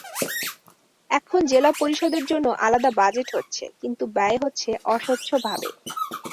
এখন জেলা পরিষদের জন্য আলাদা বাজেট হচ্ছে, কিন্তু ব্যয় হচ্ছে অস্বচ্ছভাবে।